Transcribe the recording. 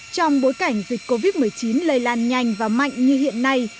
trong bối cảnh dịch covid một mươi chín lây lan nhanh và mạnh như hiện nay